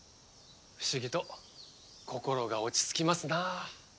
不思議と心が落ち着きますなぁ。